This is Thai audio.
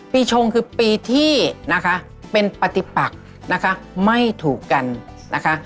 ชงคือปีที่นะคะเป็นปฏิปักนะคะไม่ถูกกันนะคะ